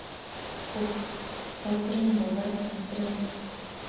— Uf-f, o‘tiring, bova, o‘tiring!